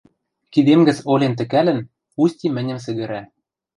Кидем гӹц олен тӹкӓлӹн, Усти мӹньӹм сӹгӹрӓ.